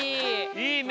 いいね。